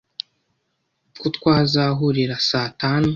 ko twazahahurira saa tanu.